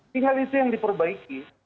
tinggal itu yang diperbaiki